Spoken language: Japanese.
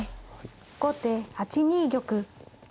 後手８二玉。